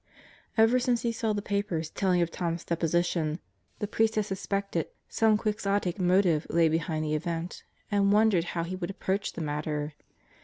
Ever since he saw the papers telling of Tom's deposition, the priest had suspected some quixotic motive lay behind the event and wondered how he would approach the matter.